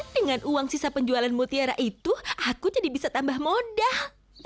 dengan uang sisa penjualan mutiara itu aku jadi bisa tambah modal